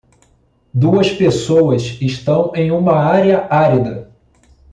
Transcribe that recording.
Duas pessoas estão em uma área árida.